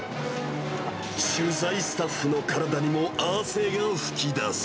取材スタッフの体にも汗が噴き出す。